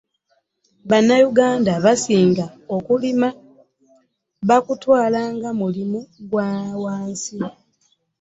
Bannayuganda abasinga okulima bakutwala nga mulimu gwa wansi .